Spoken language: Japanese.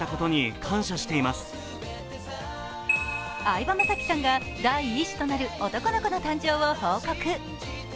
相葉雅紀さんが第一子となる男の子の誕生を報告。